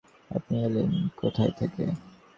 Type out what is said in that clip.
আপনি এলেন কোথায় থেকে?